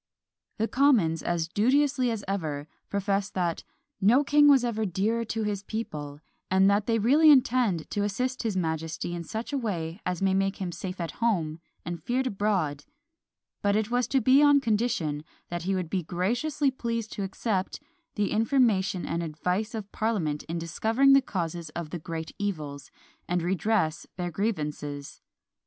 The Commons, as duteously as ever, profess that "No king was ever dearer to his people, and that they really intend to assist his majesty in such a way as may make him safe at home and feared abroad" but it was to be on condition that he would be graciously pleased to accept "the information and advice of parliament in discovering the causes of the great evils, and redress their grievances."